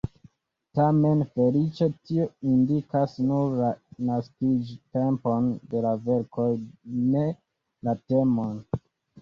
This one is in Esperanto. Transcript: Tamen feliĉe tio indikas nur la naskiĝtempon de la verkoj, ne la temon.